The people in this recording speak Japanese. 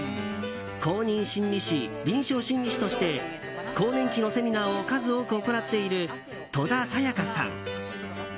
公認心理師・臨床心理士として更年期のセミナーを数多く行っている戸田さやかさん。